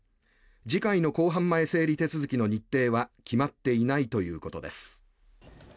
次回の公判前整理手続きの日程は決まっていないということです。